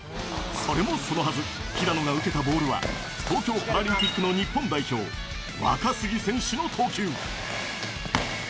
それもそのはず、平野が受けたボールは、東京パラリンピックの日本代表、若杉選手の投球。